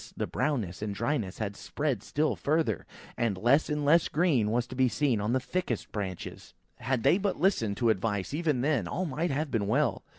the brownness and dryness had spread still further, and less and less of green was to be seen on the thickest branches. Had they but listened to advice, even then, all might have been well.